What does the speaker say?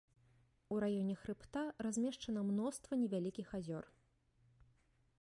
У раёне хрыбта размешчана мноства невялікіх азёр.